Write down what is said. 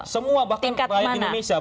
semua bahkan rakyat indonesia